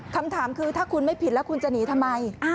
คำถามคือถ้าคุณไม่ผิดแล้วคุณจะหนีทำไม